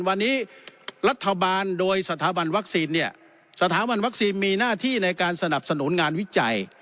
วันนี้รัฐบาลโดยสถาบันวัคซีนเนี่ยสถาบันวัคซีนมีหน้าที่ในการสนับสนุนงานวิจัย